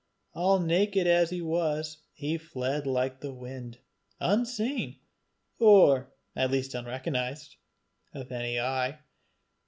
All naked as he was, he fled like the wind, unseen, or at least unrecognized, of any eye.